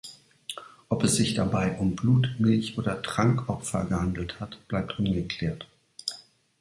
Ob es sich dabei um Blut-, Milch- oder "Trankopfer" gehandelt hat, bleibt ungeklärt.